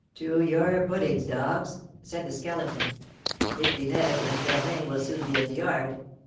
"To your puddings, dogs!" said the Skeleton; "Pique Vinaigre and Germain will soon be in the yard.